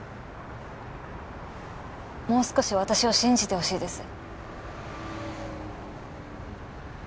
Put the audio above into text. もう少し私を信じてほしいです。